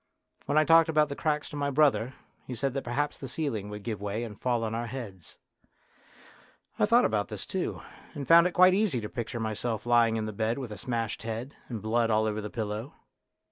When I talked about the cracks to my brother he said that perhaps the ceiling would give way and fall on our heads. I thought about this too, and found it quite easy to picture myself lying in the bed with a smashed head, and blood all over the pillow.